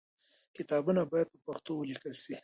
کتابونه باید په پښتو ژبه ولیکل سي.